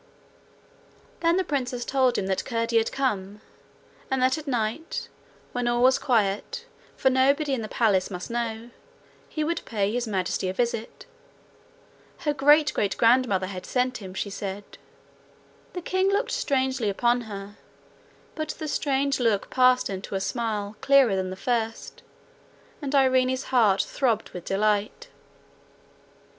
Then the princess told him that Curdie had come, and that at night, when all was quiet for nobody in the palace must know, he would pay His Majesty a visit. Her great great grandmother had sent him, she said. The king looked strangely upon her, but the strange look passed into a smile clearer than the first, and irene's heart throbbed with delight.